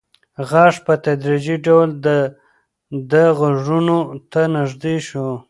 غږ په تدریجي ډول د ده غوږونو ته نږدې شو.